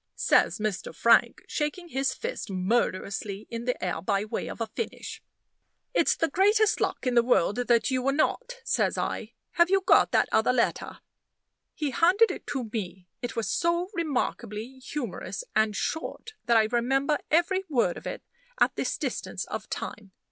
says Mr. Frank, shaking his fist murderously in the air, by way of a finish. "It's the greatest luck in the world that you were not," says I. "Have you got that other letter?" He handed it to me. It was so remarkably humorous and short, that I remember every word of it at this distance of time.